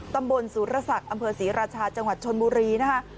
ตำบลสุรศักดิ์อำเภอศรีราชาจังหวัดชนบุรีนะคะ